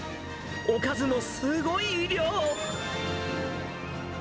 おかずもすごい量。